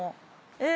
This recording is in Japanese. え